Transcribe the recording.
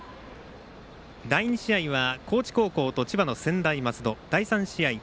第２試合は高知高校と千葉の専大松戸。